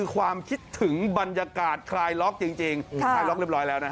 ความคิดถึงบรรยากาศคลายล็อกจริงคลายล็อกเรียบร้อยแล้วนะ